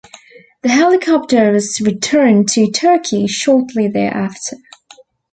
The helicopter was returned to Turkey shortly thereafter.